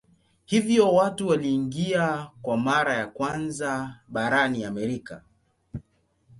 Hivyo watu waliingia kwa mara ya kwanza barani Amerika.